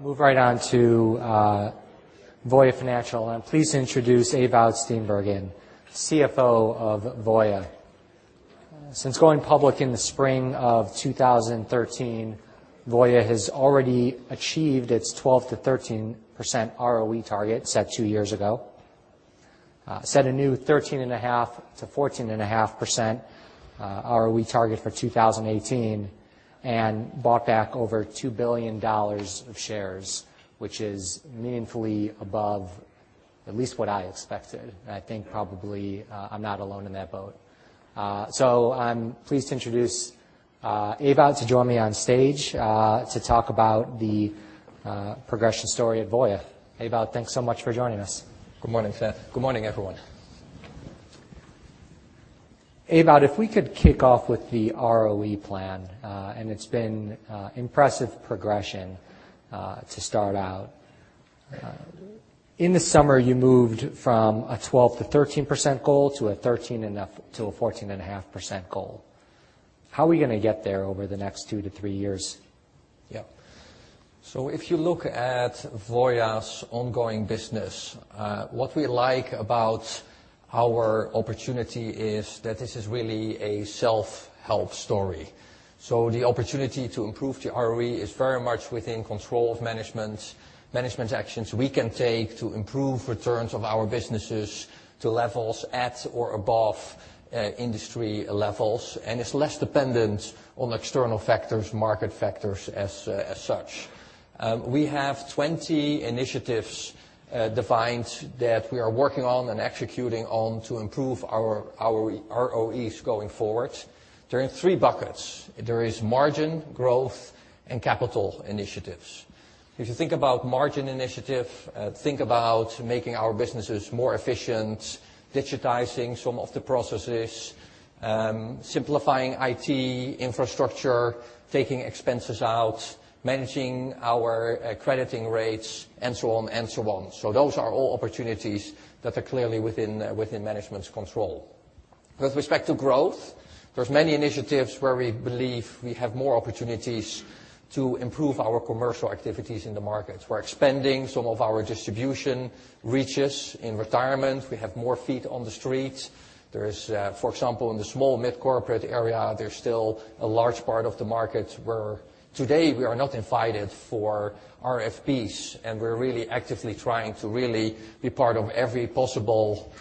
Move right on to Voya Financial. I'm pleased to introduce Ewout Steenbergen, CFO of Voya. Since going public in the spring of 2013, Voya has already achieved its 12%-13% ROE target set two years ago, set a new 13.5%-14.5% ROE target for 2018, and bought back over $2 billion of shares, which is meaningfully above at least what I expected. I think probably, I'm not alone in that boat. I'm pleased to introduce Ewout to join me on stage, to talk about the progression story at Voya. Ewout, thanks so much for joining us. Good morning, Seth. Good morning, everyone. Ewout, if we could kick off with the ROE plan, it's been impressive progression to start out. In the summer, you moved from a 12%-13% goal to a 13.5%-14.5% goal. How are we going to get there over the next two to three years? Yep. If you look at Voya's ongoing business, what we like about our opportunity is that this is really a self-help story. The opportunity to improve the ROE is very much within control of management actions we can take to improve returns of our businesses to levels at or above industry levels. It's less dependent on external factors, market factors, as such. We have 20 initiatives defined that we are working on and executing on to improve our ROEs going forward. They're in three buckets. There is margin, growth, and capital initiatives. If you think about margin initiative, think about making our businesses more efficient, digitizing some of the processes, simplifying IT infrastructure, taking expenses out, managing our crediting rates, and so on. Those are all opportunities that are clearly within management's control. With respect to growth, there's many initiatives where we believe we have more opportunities to improve our commercial activities in the markets. We're expanding some of our distribution reaches in retirement. We have more feet on the streets. There is, for example, in the small mid-corporate area, there's still a large part of the market where today we are not invited for RFPs, and we're really actively trying to really be part of every possible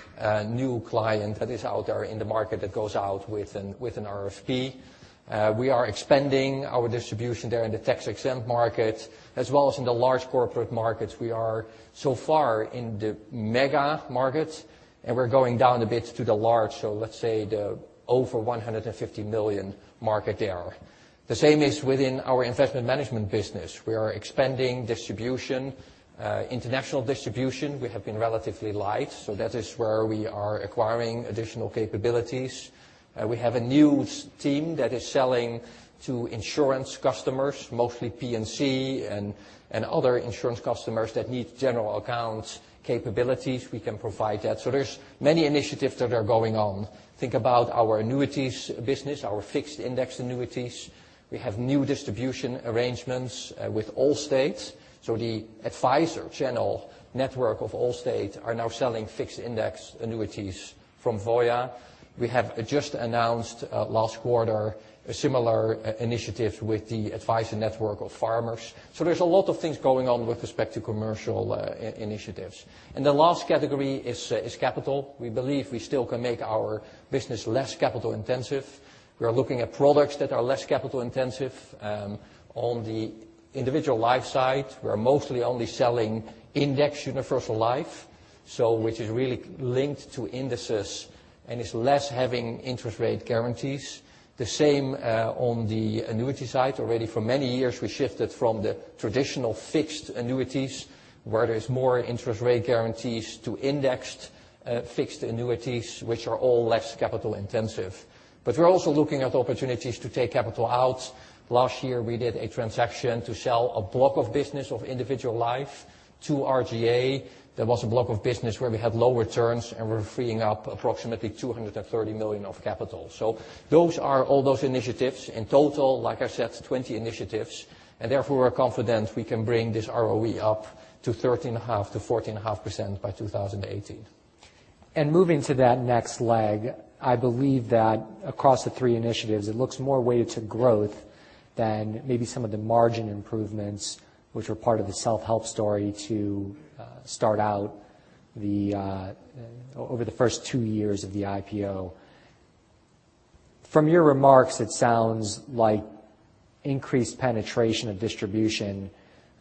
new client that is out there in the market that goes out with an RFP. We are expanding our distribution there in the tax-exempt market as well as in the large corporate markets. We are so far in the mega markets, and we're going down a bit to the large, so let's say the over $150 million market there. The same is within our investment management business. We are expanding distribution. International distribution, we have been relatively light, so that is where we are acquiring additional capabilities. We have a new team that is selling to insurance customers, mostly P&C and other insurance customers that need general accounts capabilities. We can provide that. There's many initiatives that are going on. Think about our annuities business, our fixed indexed annuities. We have new distribution arrangements with Allstate. The advisor channel network of Allstate are now selling fixed indexed annuities from Voya. We have just announced last quarter a similar initiative with the advisor network of Farmers. There's a lot of things going on with respect to commercial initiatives. The last category is capital. We believe we still can make our business less capital intensive. We are looking at products that are less capital intensive. On the individual life side, we are mostly only selling indexed universal life, which is really linked to indices and is less having interest rate guarantees. The same on the annuity side. Already for many years, we shifted from the traditional fixed annuities, where there's more interest rate guarantees to indexed fixed annuities, which are all less capital intensive. We're also looking at opportunities to take capital out. Last year, we did a transaction to sell a block of business of individual life to RGA. That was a block of business where we had low returns, and we're freeing up approximately $230 million of capital. Those are all those initiatives. In total, like I said, 20 initiatives. Therefore, we're confident we can bring this ROE up to 13.5%-14.5% by 2018. Moving to that next leg, I believe that across the three initiatives, it looks more weighted to growth than maybe some of the margin improvements, which were part of the self-help story to start out over the first two years of the IPO. From your remarks, it sounds like increased penetration of distribution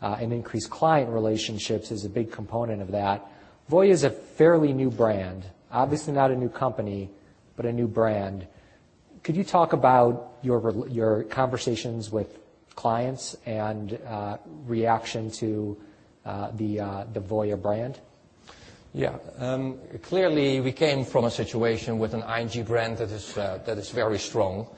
and increased client relationships is a big component of that. Voya is a fairly new brand. Obviously not a new company, but a new brand. Could you talk about your conversations with clients and reaction to the Voya brand? Clearly, we came from a situation with an ING brand that is very strong.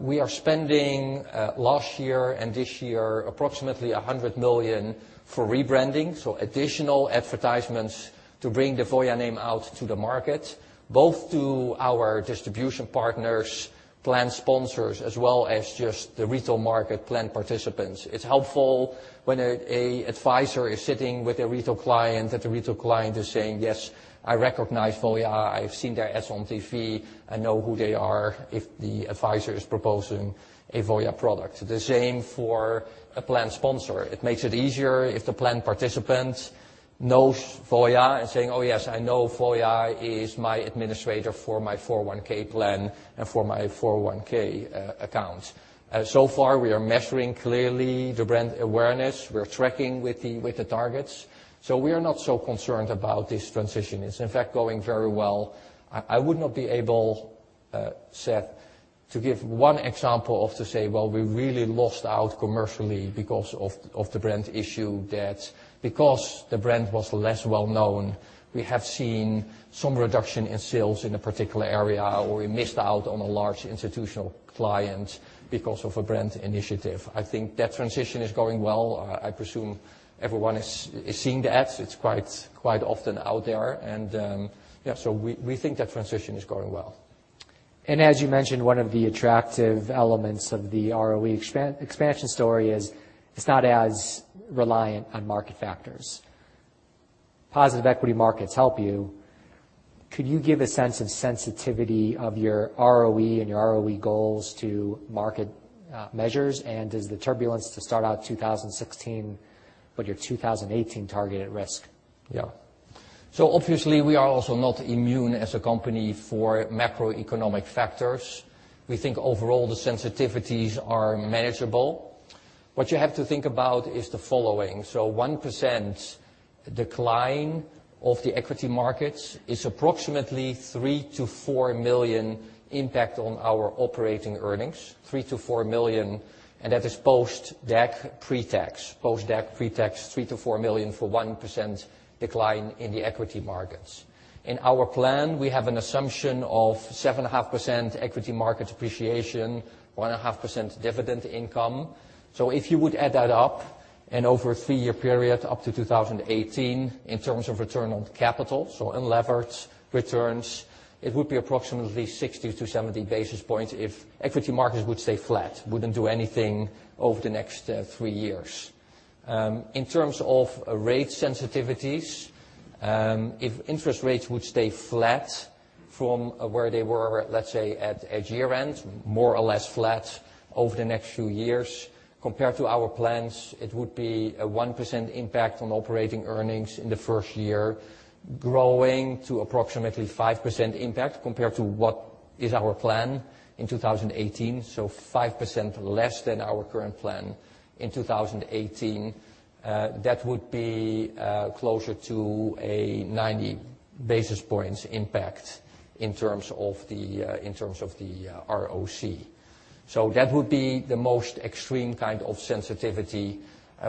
We are spending last year and this year approximately $100 million for rebranding, so additional advertisements to bring the Voya name out to the market, both to our distribution partners, plan sponsors, as well as just the retail market plan participants. It's helpful when an advisor is sitting with a retail client, that the retail client is saying, "Yes, I recognize Voya. I've seen their ads on TV. I know who they are," if the advisor is proposing a Voya product. The same for a plan sponsor. It makes it easier if the plan participant knows Voya and saying, "Oh, yes, I know Voya is my administrator for my 401(k) plan and for my 401(k) account." We are measuring clearly the brand awareness. We're tracking with the targets. We are not so concerned about this transition. It's, in fact, going very well. I would not be able, Seth, to give one example to say, we really lost out commercially because of the brand issue, that because the brand was less well-known, we have seen some reduction in sales in a particular area, or we missed out on a large institutional client because of a brand initiative. I think that transition is going well. I presume everyone is seeing the ads. It's quite often out there. We think that transition is going well. As you mentioned, one of the attractive elements of the ROE expansion story is it's not as reliant on market factors. Positive equity markets help you. Could you give a sense of sensitivity of your ROE and your ROE goals to market measures? Does the turbulence to start out 2016 put your 2018 target at risk? Obviously, we are also not immune as a company for macroeconomic factors. We think overall the sensitivities are manageable. What you have to think about is the following. A 1% decline of the equity markets is approximately $3 million-$4 million impact on our operating earnings, $3 million-$4 million, and that is post-debt, pre-tax. Post-debt, pre-tax, $3 million-$4 million for 1% decline in the equity markets. In our plan, we have an assumption of 7.5% equity market appreciation, 1.5% dividend income. If you would add that up and over a three-year period up to 2018 in terms of return on capital, unlevered returns, it would be approximately 60-70 basis points if equity markets would stay flat, wouldn't do anything over the next three years. In terms of rate sensitivities, if interest rates would stay flat from where they were, let's say at year-end, more or less flat over the next few years, compared to our plans, it would be a 1% impact on operating earnings in the first year, growing to approximately 5% impact compared to what is our plan in 2018, so 5% less than our current plan in 2018. That would be closer to a 90 basis points impact in terms of the ROC. That would be the most extreme kind of sensitivity.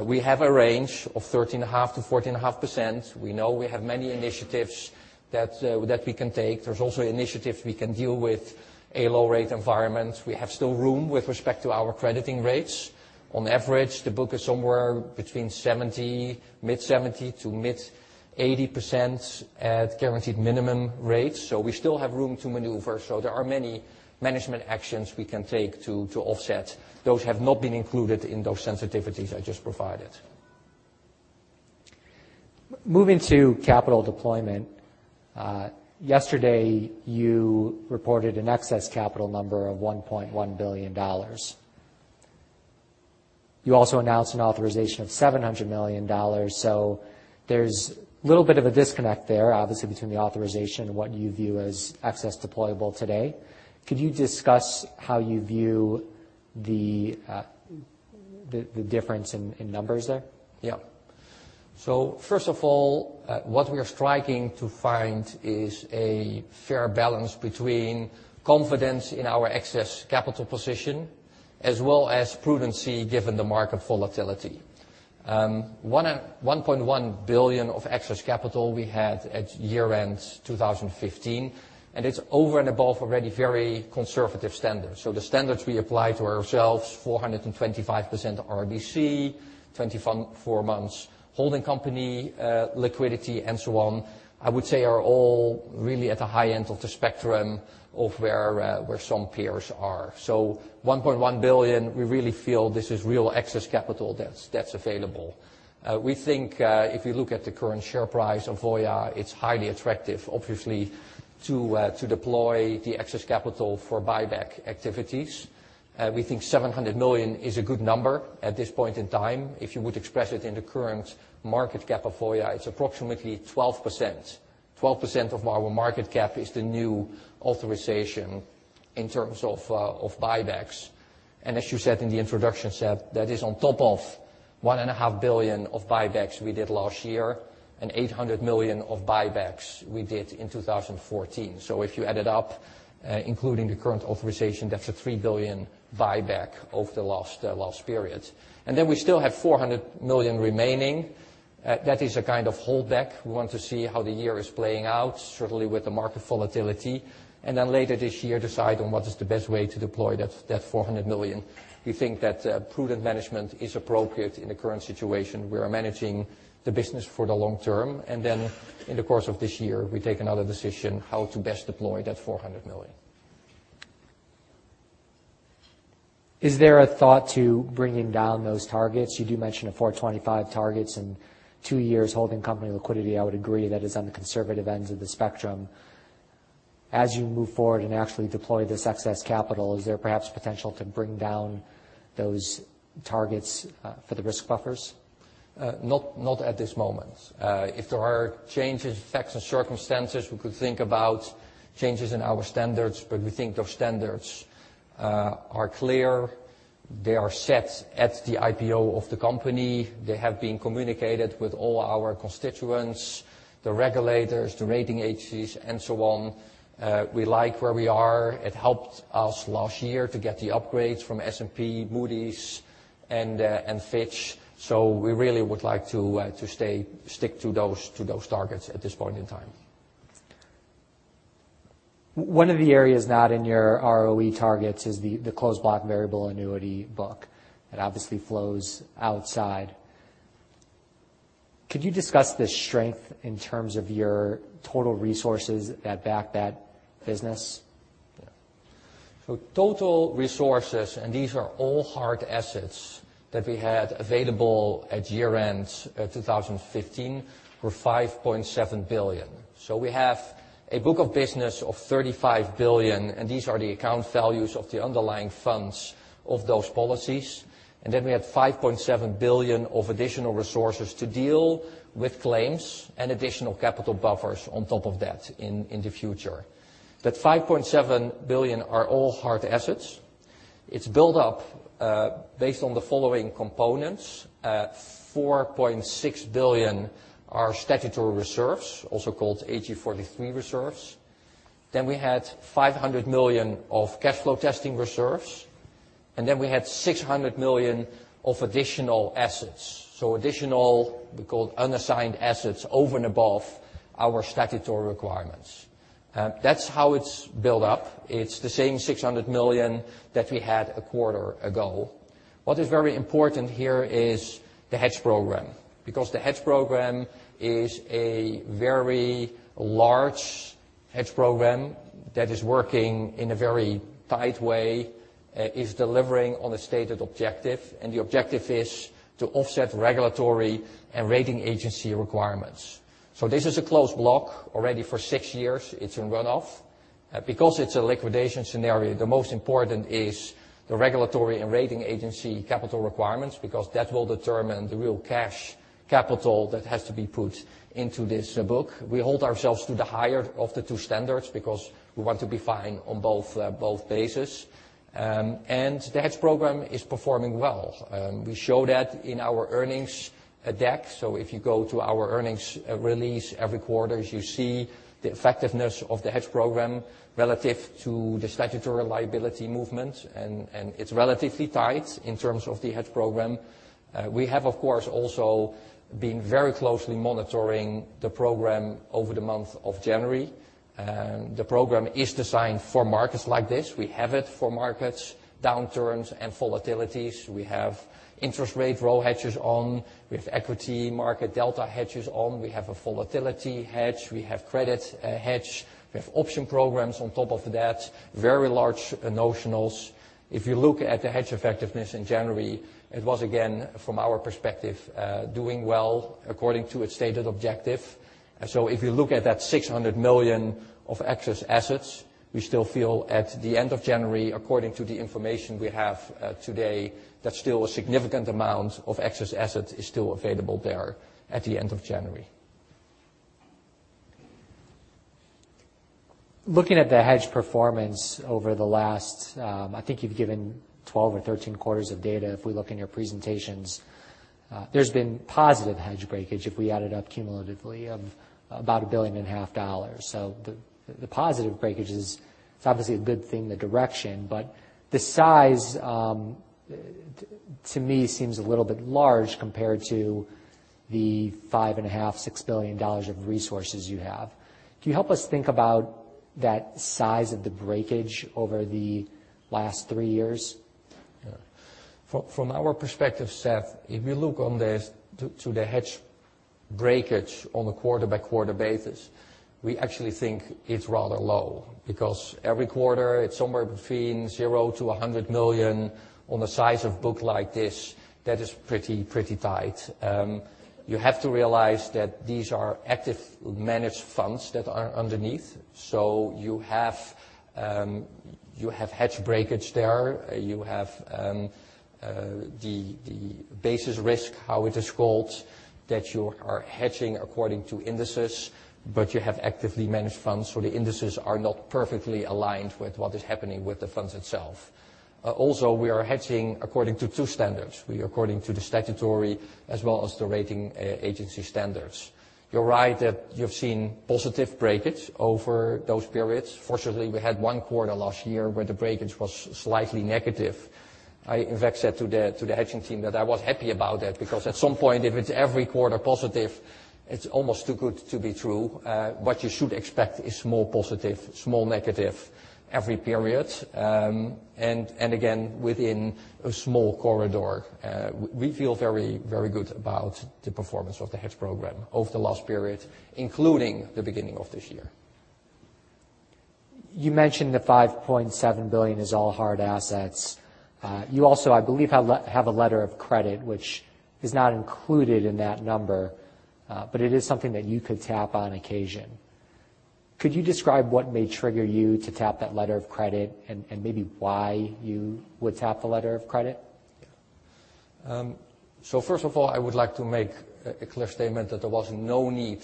We have a range of 13.5%-14.5%. We know we have many initiatives that we can take. There's also initiatives we can deal with a low-rate environment. We have still room with respect to our crediting rates. On average, the book is somewhere between 70, mid 70 to mid 80% at guaranteed minimum rates, so we still have room to maneuver. There are many management actions we can take to offset. Those have not been included in those sensitivities I just provided. Moving to capital deployment. Yesterday, you reported an excess capital number of $1.1 billion. You also announced an authorization of $700 million. There's a little bit of a disconnect there, obviously, between the authorization and what you view as excess deployable today. Could you discuss how you view the difference in numbers there? Yeah. First of all, what we are striking to find is a fair balance between confidence in our excess capital position, as well as prudency given the market volatility. $1.1 billion of excess capital we had at year-end 2015, and it's over and above already very conservative standards. The standards we apply to ourselves, 425% RBC, 24 months holding company liquidity, and so on, I would say are all really at the high end of the spectrum of where some peers are. $1.1 billion, we really feel this is real excess capital that's available. We think, if you look at the current share price of Voya, it's highly attractive, obviously, to deploy the excess capital for buyback activities. We think $700 million is a good number at this point in time. If you would express it in the current market cap of Voya, it's approximately 12%. 12% of our market cap is the new authorization in terms of buybacks. As you said in the introduction, Seth, that is on top of $1.5 billion of buybacks we did last year and $800 million of buybacks we did in 2014. If you add it up, including the current authorization, that's a $3 billion buyback over the last period. We still have $400 million remaining. That is a kind of holdback. We want to see how the year is playing out, certainly with the market volatility, later this year, decide on what is the best way to deploy that $400 million. We think that prudent management is appropriate in the current situation. We are managing the business for the long term, in the course of this year, we take another decision how to best deploy that $400 million. Is there a thought to bringing down those targets? You do mention a 425 targets and two years holding company liquidity. I would agree that is on the conservative ends of the spectrum. As you move forward and actually deploy this excess capital, is there perhaps potential to bring down those targets for the risk buffers? Not at this moment. If there are changes, facts, and circumstances, we could think about changes in our standards, we think those standards are clear. They are set at the IPO of the company. They have been communicated with all our constituents, the regulators, the rating agencies, and so on. We like where we are. It helped us last year to get the upgrades from S&P, Moody's, and Fitch. We really would like to stick to those targets at this point in time. One of the areas not in your ROE targets is the closed block variable annuity book. It obviously flows outside. Could you discuss the strength in terms of your total resources that back that business? Yeah. Total resources, and these are all hard assets that we had available at year-end 2015, were $5.7 billion. We have a book of business of $35 billion, and these are the account values of the underlying funds of those policies. We have $5.7 billion of additional resources to deal with claims and additional capital buffers on top of that in the future. That $5.7 billion are all hard assets. It's built up based on the following components. $4.6 billion are statutory reserves, also called AG 43 reserves. We had $500 million of cash flow testing reserves, and then we had $600 million of additional assets. Additional, we call unassigned assets over and above our statutory requirements. That's how it's built up. It's the same $600 million that we had a quarter ago. What is very important here is the hedge program, because the hedge program is a very large hedge program that is working in a very tight way, is delivering on the stated objective, and the objective is to offset regulatory and rating agency requirements. This is a closed block already for six years. It's in run-off. Because it's a liquidation scenario, the most important is the regulatory and rating agency capital requirements, because that will determine the real cash capital that has to be put into this book. We hold ourselves to the higher of the two standards because we want to be fine on both bases. The hedge program is performing well. We show that in our earnings deck. If you go to our earnings release every quarter, as you see the effectiveness of the hedge program relative to the statutory liability movement. It's relatively tight in terms of the hedge program. We have, of course, also been very closely monitoring the program over the month of January. The program is designed for markets like this. We have it for markets, downturns, and volatilities. We have interest rate roll hedges on. We have equity market delta hedges on. We have a volatility hedge. We have credit hedge. We have option programs on top of that, very large notionals. If you look at the hedge effectiveness in January, it was, again, from our perspective, doing well according to its stated objective. If you look at that $600 million of excess assets, we still feel at the end of January, according to the information we have today, that still a significant amount of excess assets is still available there at the end of January. Looking at the hedge performance over the last, I think you've given 12 or 13 quarters of data, if we look in your presentations. There's been positive hedge breakage, if we add it up cumulatively, of about $1.5 billion. The positive breakage is obviously a good thing, the direction, but the size, to me, seems a little bit large compared to the $5.5 billion, $6 billion of resources you have. Can you help us think about that size of the breakage over the last three years? Yeah. From our perspective, Seth, if you look to the hedge breakage on a quarter-by-quarter basis, we actually think it's rather low, because every quarter it's somewhere between zero to $100 million. On the size of book like this, that is pretty tight. You have to realize that these are active managed funds that are underneath. You have hedge breakage there. You have the basis risk, how it is called, that you are hedging according to indices, but you have actively managed funds. The indices are not perfectly aligned with what is happening with the funds itself. Also, we are hedging according to two standards. We're according to the statutory as well as the rating agency standards. You're right that you've seen positive breakages over those periods. Unfortunately, we had one quarter last year where the breakage was slightly negative. I, in fact, said to the hedging team that I was happy about that, because at some point, if it's every quarter positive, it's almost too good to be true. What you should expect is small positive, small negative every period. Again, within a small corridor. We feel very good about the performance of the hedge program over the last period, including the beginning of this year. You mentioned the $5.7 billion is all hard assets. You also, I believe, have a letter of credit, which is not included in that number, but it is something that you could tap on occasion. Could you describe what may trigger you to tap that letter of credit, and maybe why you would tap the letter of credit? First of all, I would like to make a clear statement that there was no need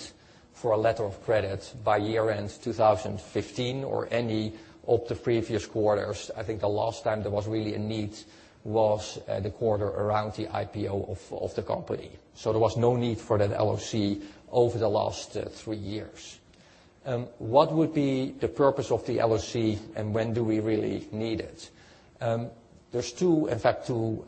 for a letter of credit by year-end 2015 or any of the previous quarters. I think the last time there was really a need was the quarter around the IPO of the company. There was no need for that LOC over the last three years. What would be the purpose of the LOC and when do we really need it? There's in fact two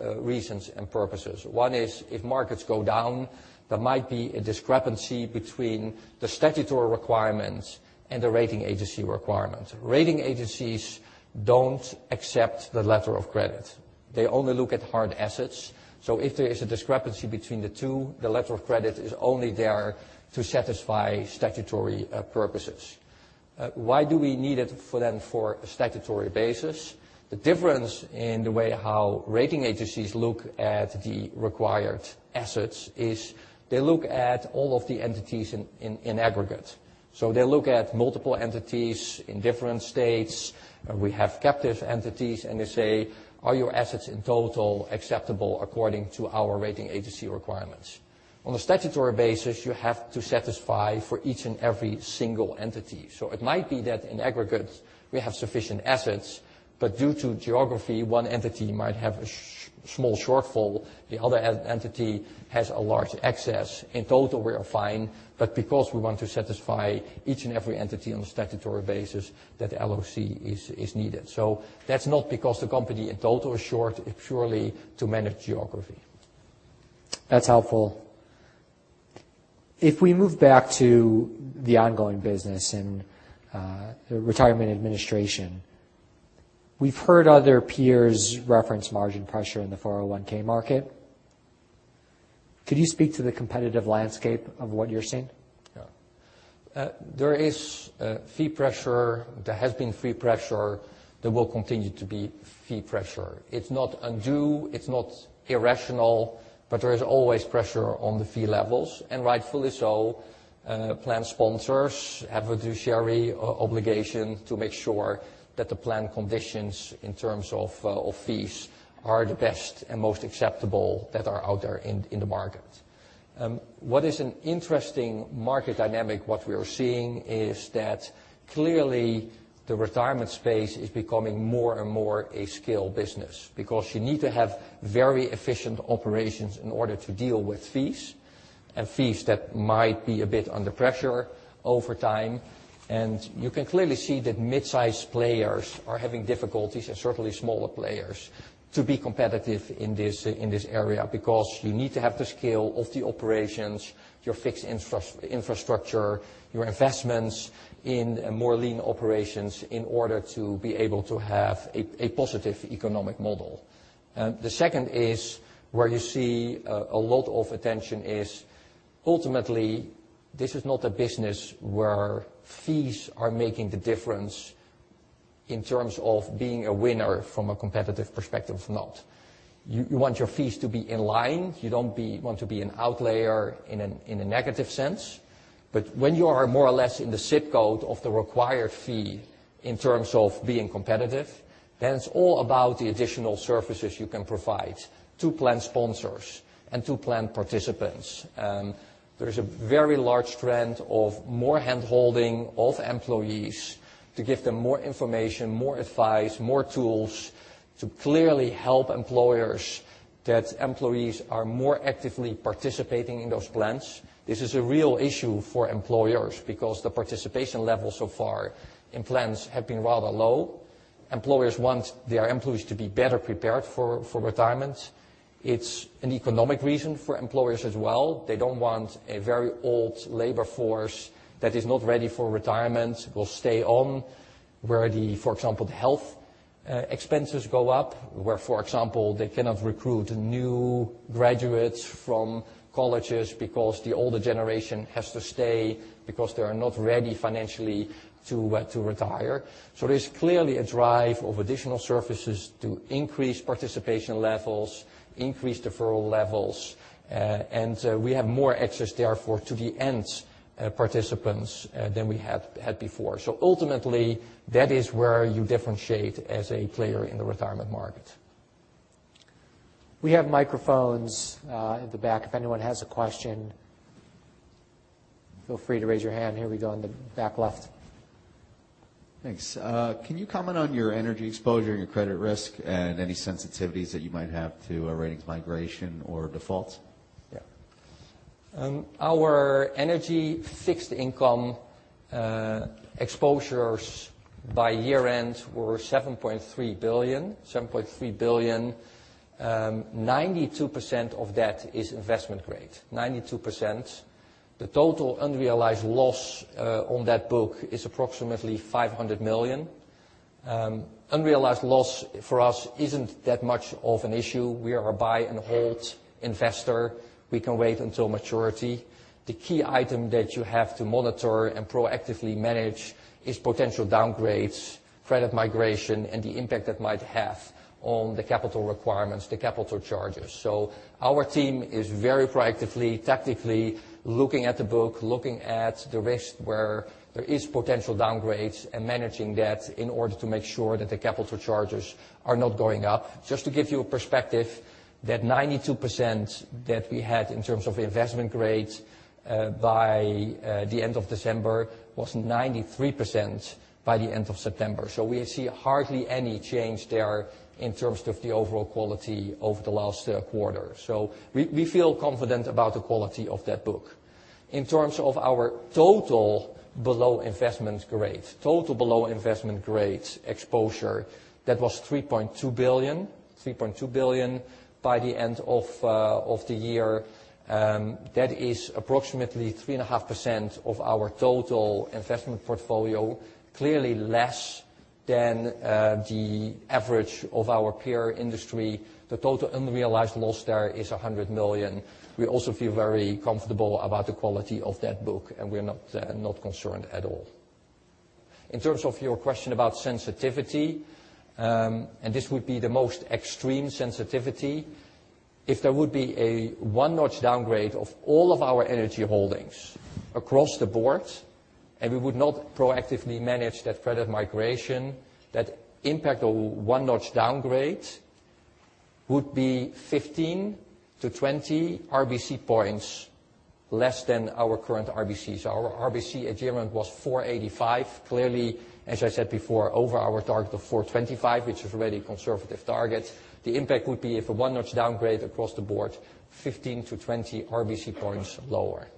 reasons and purposes. One is, if markets go down, there might be a discrepancy between the statutory requirements and the rating agency requirements. Rating agencies don't accept the letter of credit. They only look at hard assets. If there is a discrepancy between the two, the letter of credit is only there to satisfy statutory purposes. Why do we need it for then for a statutory basis? The difference in the way how rating agencies look at the required assets is they look at all of the entities in aggregate. They look at multiple entities in different states. We have captive entities, and they say, "Are your assets in total acceptable according to our rating agency requirements?" On a statutory basis, you have to satisfy for each and every single entity. It might be that in aggregate, we have sufficient assets, but due to geography, one entity might have a small shortfall. The other entity has a large excess. In total, we are fine, but because we want to satisfy each and every entity on a statutory basis, that LOC is needed. That's not because the company in total is short, it's purely to manage geography. That's helpful. If we move back to the ongoing business and retirement administration, we've heard other peers reference margin pressure in the 401 market. Could you speak to the competitive landscape of what you're seeing? Yeah. There is fee pressure, there has been fee pressure, there will continue to be fee pressure. It's not undue, it's not irrational, there is always pressure on the fee levels, and rightfully so. Plan sponsors have a fiduciary obligation to make sure that the plan conditions, in terms of fees, are the best and most acceptable that are out there in the market. What is an interesting market dynamic, what we are seeing is that clearly the retirement space is becoming more and more a scale business because you need to have very efficient operations in order to deal with fees, and fees that might be a bit under pressure over time. You can clearly see that midsize players are having difficulties, and certainly smaller players, to be competitive in this area because you need to have the scale of the operations, your fixed infrastructure, your investments in more lean operations in order to be able to have a positive economic model. The second is where you see a lot of attention is ultimately, this is not a business where fees are making the difference in terms of being a winner from a competitive perspective, it's not. You want your fees to be in line. You don't want to be an outlier in a negative sense. When you are more or less in the zip code of the required fee in terms of being competitive, then it's all about the additional services you can provide to plan sponsors and to plan participants. There's a very large trend of more handholding of employees to give them more information, more advice, more tools to clearly help employers that employees are more actively participating in those plans. This is a real issue for employers because the participation level so far in plans have been rather low. Employers want their employees to be better prepared for retirement. It's an economic reason for employers as well. They don't want a very old labor force that is not ready for retirement, will stay on, where the, for example, the health expenses go up, where, for example, they cannot recruit new graduates from colleges because the older generation has to stay because they are not ready financially to retire. There's clearly a drive of additional services to increase participation levels, increase deferral levels, and we have more access, therefore, to the end participants than we had before. Ultimately, that is where you differentiate as a player in the retirement market. We have microphones at the back. If anyone has a question, feel free to raise your hand. Here we go, in the back left. Thanks. Can you comment on your energy exposure and your credit risk and any sensitivities that you might have to a ratings migration or defaults? Yeah. Our energy fixed income exposures by year-end were $7.3 billion. 92% of that is investment grade, 92%. The total unrealized loss on that book is approximately $500 million. Unrealized loss for us isn't that much of an issue. We are a buy and hold investor. We can wait until maturity. The key item that you have to monitor and proactively manage is potential downgrades, credit migration, and the impact that might have on the capital requirements, the capital charges. Our team is very proactively, tactically looking at the book, looking at the risk where there is potential downgrades, and managing that in order to make sure that the capital charges are not going up. Just to give you a perspective, that 92% that we had in terms of investment grade by the end of December was 93% by the end of September. We see hardly any change there in terms of the overall quality over the last quarter. We feel confident about the quality of that book. In terms of our total below investment grade exposure, that was $3.2 billion by the end of the year. That is approximately 3.5% of our total investment portfolio, clearly less than the average of our peer industry. The total unrealized loss there is $100 million. We also feel very comfortable about the quality of that book, and we're not concerned at all. In terms of your question about sensitivity, and this would be the most extreme sensitivity. If there would be a one-notch downgrade of all of our energy holdings across the board, and we would not proactively manage that credit migration, that impact of one-notch downgrade would be 15-20 RBC points less than our current RBC. Our RBC attainment was 485, clearly, as I said before, over our target of 425, which is a very conservative target. The impact would be if a one-notch downgrade across the board, 15-20 RBC points lower.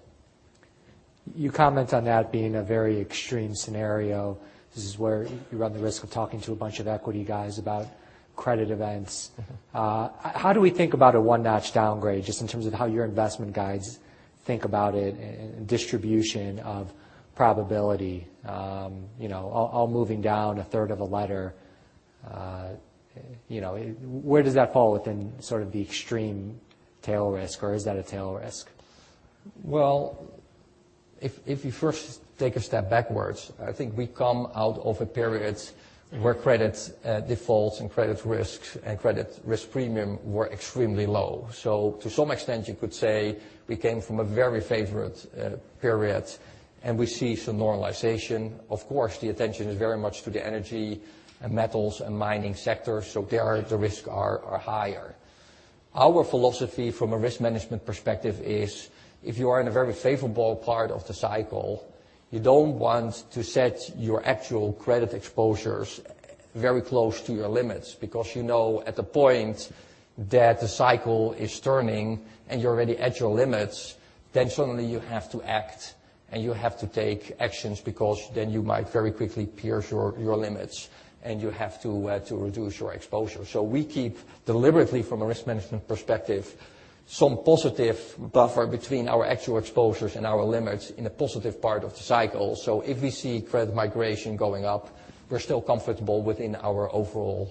You comment on that being a very extreme scenario. This is where you run the risk of talking to a bunch of equity guys about credit events. How do we think about a one-notch downgrade, just in terms of how your investment guys think about it and distribution of probability, all moving down a third of a letter. Where does that fall within sort of the extreme tail risk, or is that a tail risk? If you first take a step backwards, I think we come out of a period where credit defaults and credit risks and credit risk premium were extremely low. To some extent, you could say we came from a very favorable period, and we see some normalization. The attention is very much to the energy and metals and mining sector, there, the risks are higher. Our philosophy from a risk management perspective is, if you are in a very favorable part of the cycle, you don't want to set your actual credit exposures very close to your limits because you know at the point that the cycle is turning and you're already at your limits, then suddenly you have to act and you have to take actions because then you might very quickly pierce your limits and you have to reduce your exposure. We keep deliberately, from a risk management perspective, some positive buffer between our actual exposures and our limits in a positive part of the cycle. If we see credit migration going up, we're still comfortable within our overall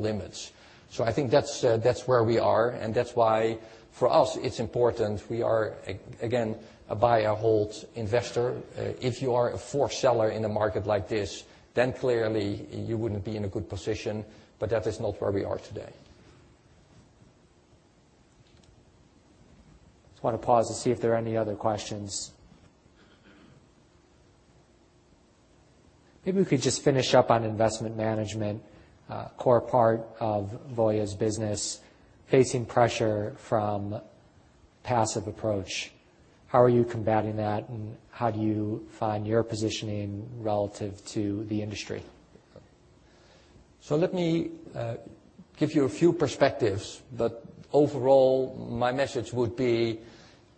limits. I think that's where we are, and that's why for us it's important. We are, again, a buy/hold investor. If you are a forced seller in a market like this, then clearly you wouldn't be in a good position, but that is not where we are today. Just want to pause to see if there are any other questions. Maybe we could just finish up on investment management, a core part of Voya's business, facing pressure from passive approach. How are you combating that, and how do you find your positioning relative to the industry? Let me give you a few perspectives, overall, my message would be,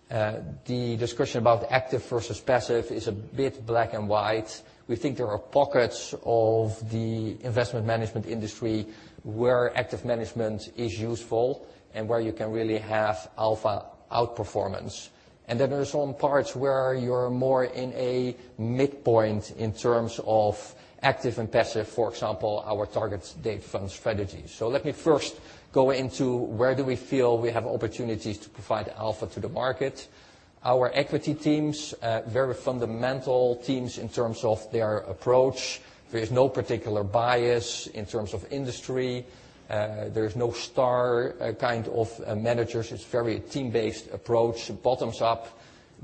the discussion about active versus passive is a bit black and white. We think there are pockets of the investment management industry where active management is useful and where you can really have alpha outperformance. Then there are some parts where you're more in a midpoint in terms of active and passive, for example, our target date fund strategy. Let me first go into where do we feel we have opportunities to provide alpha to the market. Our equity teams, very fundamental teams in terms of their approach. There is no particular bias in terms of industry. There's no star kind of managers. It's very team-based approach, bottoms-up.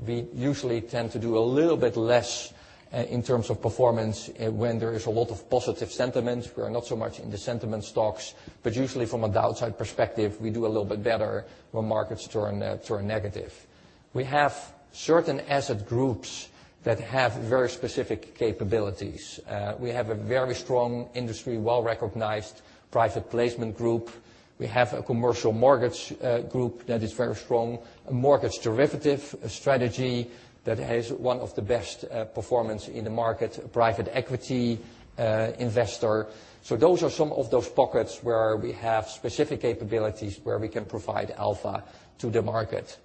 We usually tend to do a little bit less in terms of performance when there is a lot of positive sentiment. We are not so much into sentiment stocks, but usually from a downside perspective, we do a little bit better when markets turn negative. We have certain asset groups that have very specific capabilities. We have a very strong industry, well-recognized private placement group. We have a commercial mortgage group that is very strong, a mortgage derivative strategy that has one of the best performance in the market, a private equity investor. Those are some of those pockets where we have specific capabilities where we can provide alpha to the market.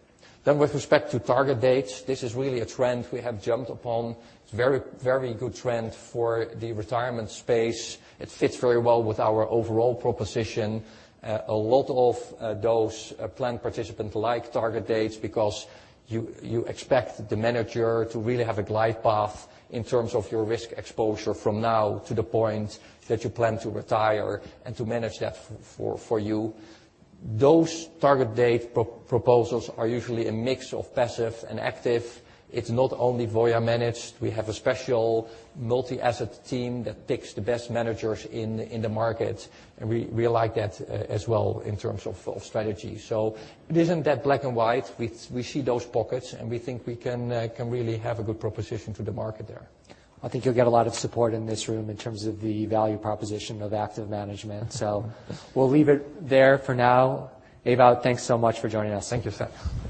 With respect to target dates, this is really a trend we have jumped upon. It's a very good trend for the retirement space. It fits very well with our overall proposition. A lot of those plan participants like target dates because you expect the manager to really have a glide path in terms of your risk exposure from now to the point that you plan to retire and to manage that for you. Those target date proposals are usually a mix of passive and active. It's not only Voya-managed. We have a special multi-asset team that picks the best managers in the market, and we like that as well in terms of strategy. It isn't that black and white. We see those pockets, and we think we can really have a good proposition to the market there. I think you'll get a lot of support in this room in terms of the value proposition of active management. We'll leave it there for now. Ewout, thanks so much for joining us. Thank you, Seth.